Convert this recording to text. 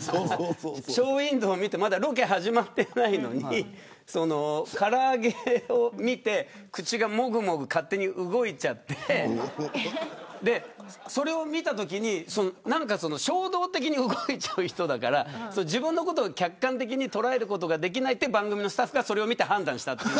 ショーウインドーを見てまだロケが始まっていないのにから揚げを見て口がもぐもぐ勝手に動いちゃってそれを見たときに衝動的に動いちゃう人だから自分のことを客観的に捉えることができないと番組スタッフが、それを見て判断したっていう。